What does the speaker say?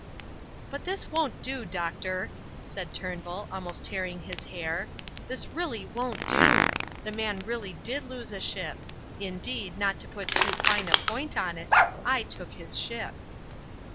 "But this won't do, doctor," said Turnbull, almost tearing his hair, "this really won't do. The man really did lose a ship. Indeed, not to put too fine a point on it, I took his ship."